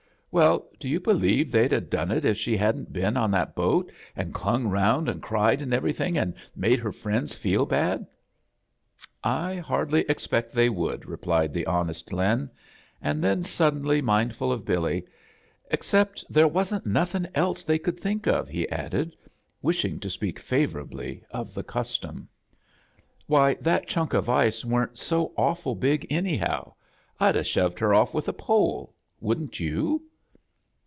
"Well, do you believe they'd 'a' done it if she hadn't been on that boat, an' clung around £.n' cried an' everything, an' made her frien is feel "I hardly eitpect they would," replied, the honest Lin, and then, suddenly mind ful of Billy, "except there wasn't nothin' else they could think of," he added, wish : ing to speak favorably of the custom. A JOURNEY IN SEARCH OF CHRISTMAS "Why, that chunk of ice weren't so aw ful biSt anyhow. Fd 'a' shoved her off with a pole. Wouldn't you?"